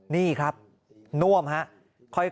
นี่ครับน่วมครับ